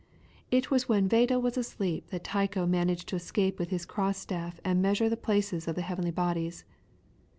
It was when Vedel was asleep that Tycho managed to escape with his cross staff and measure the places of the heavenly bodies.